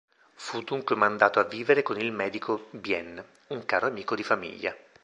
Fu dunque mandato a vivere con il medico Bien, un caro amico di famiglia.